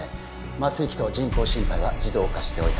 麻酔器と人工心肺は自動化しておいた